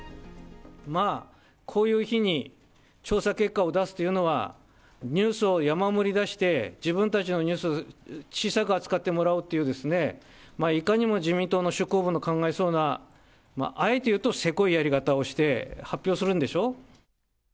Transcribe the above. まあ、こういう日に調査結果を出すというのは、ニュースを山盛り出して、自分たちのニュース、小さく扱ってもらおうっていうですね、いかにも自民党の執行部の考えそうな、あえて言うとせこいやり方をして、発表するんでしょう？